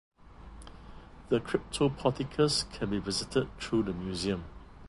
The cryptoporticus can be visited through the museum.